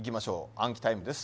暗記タイムです